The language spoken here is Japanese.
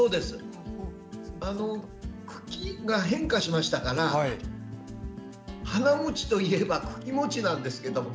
茎が変化しましたから花もちというより茎もちなんですけど